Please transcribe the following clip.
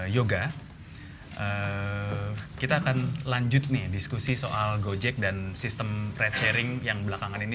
yoga kita akan lanjut nih diskusi soal gojek dan sistem red sharing yang belakangan ini